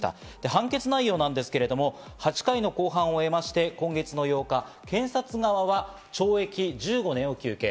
判決内容なんですけれども、８回の公判を経まして、検察側は懲役１５年を求刑。